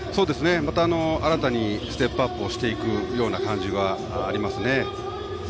また、新たにステップアップをしていくような感じがありますね。